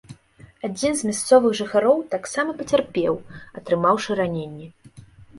Адзін з мясцовых жыхароў таксама пацярпеў, атрымаўшы раненні.